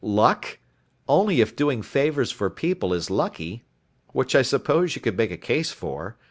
Luck? Only if doing favors for people is lucky. Which I suppose you could make a case for.